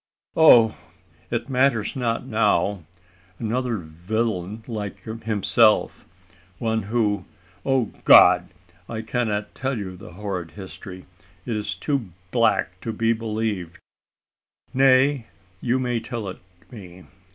"Oh! it matters not now another villain like himself one who O God! I cannot tell you the horrid history it is too black to be believed." "Nay, you may tell it me.